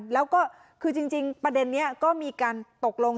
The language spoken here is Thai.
แล้วก็คือจริงประเด็นนี้ก็มีการตกลง